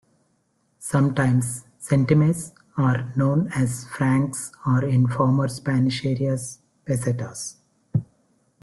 Sometimes "centime"s are known as francs or in former Spanish areas, pesetas.